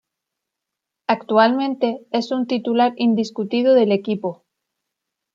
Actualmente es un titular indiscutido del equipo.